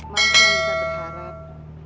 maaf ya nisa berharap